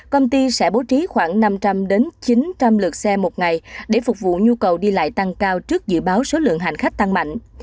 công ty sẽ bố trí khoảng năm trăm linh chín trăm linh lượt xe một ngày để phục vụ nhu cầu đi lại tăng cao trước dự báo số lượng hành khách tăng mạnh